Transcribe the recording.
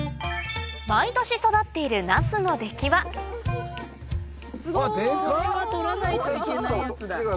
毎年育っているこれは採らないといけないやつだ。